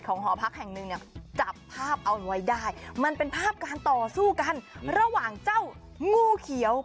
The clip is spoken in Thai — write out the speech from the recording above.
ของหอพักแห่งทรัพย์เราเอาไว้ได้มันเป็นภาพการต่อสู้กันระหว่างเจ้าหงูเขียว